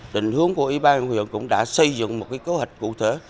định hướng của ủy ban huyện cũng đã xây dựng một kế hoạch cụ thể